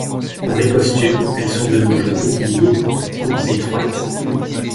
Pour les costumes, elles sont de nos jours oubliées pour des coupes étroites.